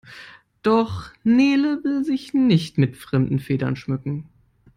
Doch Nele will sich nicht mit fremden Federn schmücken.